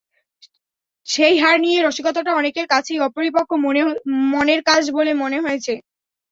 সেই হার নিয়ে রসিকতাটা অনেকের কাছেই অপরিপক্ব মনের কাজ বলে মনে হয়েছে।